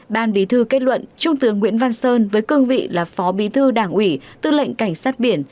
ban bí thư kết luận trung tướng nguyễn văn sơn với cương vị là phó bí thư đảng ủy tư lệnh cảnh sát biển